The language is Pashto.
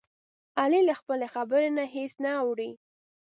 علي له خپلې خبرې نه هېڅ نه اوړوي.